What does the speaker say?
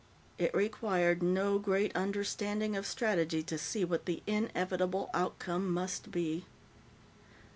It required no great understanding of strategy to see what the inevitable outcome must be.